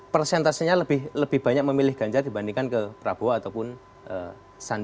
persentasenya lebih banyak memilih ganjar dibandingkan ke prabowo ataupun sandi